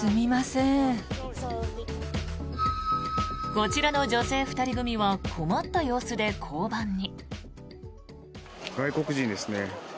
こちらの女性２人組は困った様子で交番に。